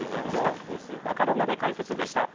以上Ｎｅｗｓわかるまで解説でした。